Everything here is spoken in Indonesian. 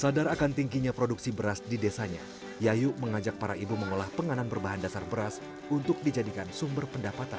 sadar akan tingginya produksi beras di desanya yayu mengajak para ibu mengolah penganan berbahan dasar beras untuk dijadikan sumber pendapatan